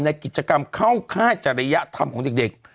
ในกิจกรรมเข้าค่ายจริยธรรมของเด็ก